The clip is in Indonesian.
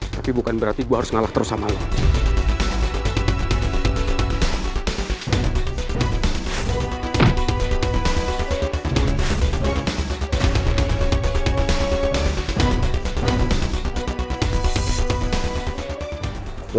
tapi bukan berarti gue harus ngalah terus sama lo